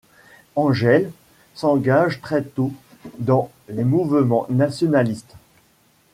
Engels s'engage très tôt dans les mouvements nationalistes.